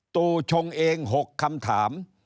ตูชงเอง๖คำถาม